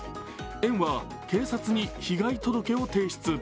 園は警察に被害届を提出。